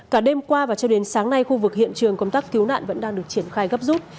cả đêm qua và cho đến sáng nay khu vực hiện trường công tác cứu nạn vẫn đang được triển khai gấp rút